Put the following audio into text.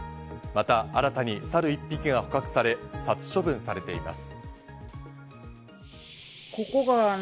また新たにサル１匹が捕獲され、殺処分されています。